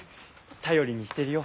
頼りにしてるよ